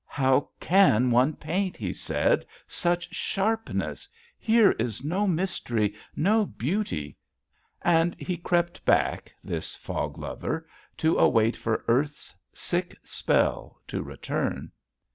"How can one paint?" he said, "such sharpness! Here is no mystery, no beauty." And he crept back, this fog lover, to wait for earth's sick spell to return.